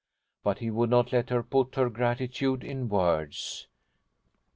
But he would not let her put her gratitude in words.